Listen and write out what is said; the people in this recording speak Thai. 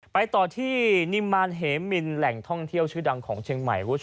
ไปต่อที่นิมมารเหมินแหล่งท่องเที่ยวชื่อดังของเชียงใหม่